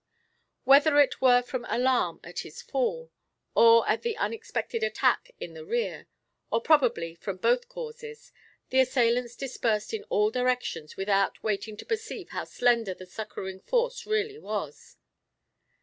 Whether it were from alarm at his fall, or at the unexpected attack in the rear, or probably from both causes, the assailants dispersed in all directions without waiting to perceive how slender the succouring force really was.